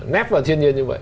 nét vào thiên nhiên như vậy